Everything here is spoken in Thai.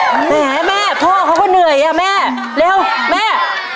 แหมแม่พ่อเขาก็เหนื่อยอ่ะแม่เร็วแม่